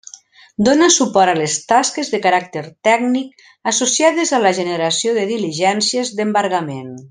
Dóna suport a les tasques de caràcter tècnic associades a la generació de diligències d'embargament.